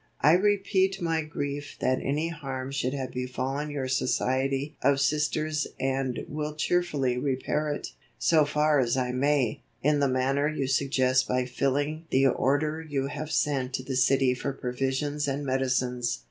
"I repeat my grief that any harm should have befallen your society of Sisters and will cheerfully repair it, so far as I may, in the manner you suggest by filling the order you have sent to the city for provisions and medicines.